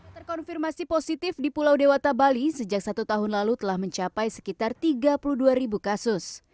terkonfirmasi positif di pulau dewata bali sejak satu tahun lalu telah mencapai sekitar tiga puluh dua ribu kasus